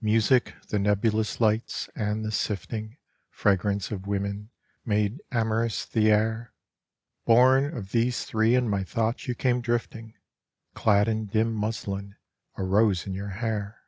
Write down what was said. Music, the nebulous lights, and the sifting Fragrance of women made amorous the air; Born of these three and my thoughts you came drifting, Clad in dim muslin, a rose in your hair.